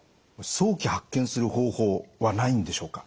早期発見する方法はないんでしょうか？